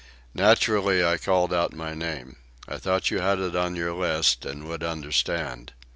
Naturally I called out my name. I thought you had it on your list, and would understand.